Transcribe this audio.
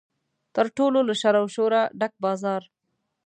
تر ټولو له شر او شوره ډک بازار.